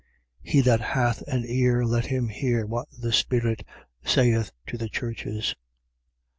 3:6. He that hath an ear, let him hear what the Spirit saith to the churches.